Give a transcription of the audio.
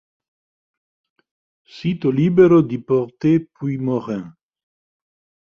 Sito libero di Porté-Puymorens